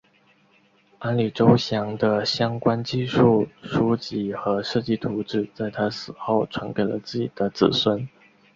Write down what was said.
安里周祥的相关技术书籍和设计图纸在他死后传给了自己的子孙。